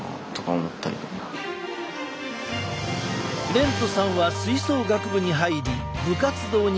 廉都さんは吹奏楽部に入り部活動に夢中。